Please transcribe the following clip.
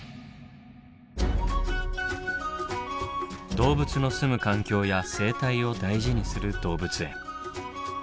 動物のすむ環境や生態を大事にする動物園。